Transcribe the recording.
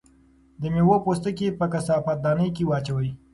د مېوو پوستکي په کثافاتدانۍ کې واچوئ.